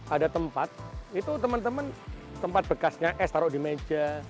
ada tempat itu teman teman tempat bekasnya es taruh di meja